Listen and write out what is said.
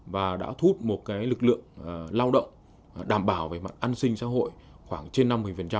và đã thu hút một lực lượng lao động đảm bảo về mặt an sinh xã hội khoảng trên năm mươi